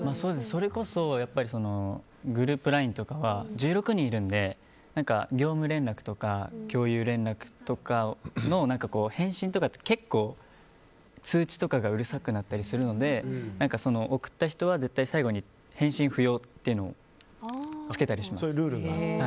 それこそグループＬＩＮＥとかは１６人いるので、業務連絡とか共有連絡とかの返信とかって結構通知とかがうるさくなったりするので送った人は最後に返信不要っていうのをつけたりします。